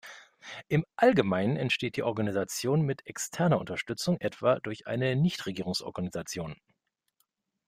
Im Allgemeinen entsteht die Organisation mit externer Unterstützung, etwa durch eine Nichtregierungsorganisation.